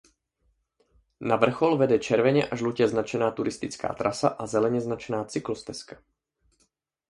Na vrchol vede červeně a žlutě značená turistická trasa a zeleně značená cyklostezka.